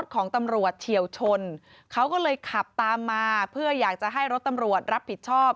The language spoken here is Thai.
เขาก็เลยขับตามมาเพื่ออยากจะให้รถตำรวจรับผิดชอบ